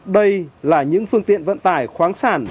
đây là những phương tiện vận tải khoáng sản